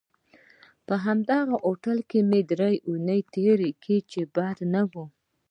په هماغه هوټل کې مو درې اونۍ تېرې کړې چې بدې نه وې.